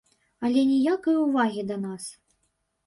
Але ніякай увагі на нас.